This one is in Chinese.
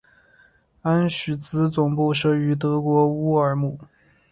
安许茨总部设于德国乌尔姆。